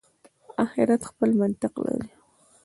آخرت خپل منطق لري.